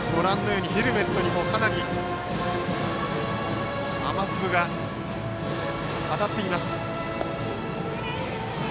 ヘルメットにも、かなり雨粒が当たっています。